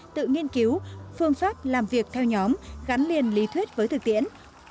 tự nghiên cứu phương pháp làm việc theo nhóm gắn liền lý thuyết với thực tiễn